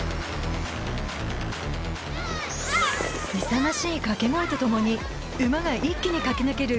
勇ましい掛け声とともに馬が一気に駆け抜ける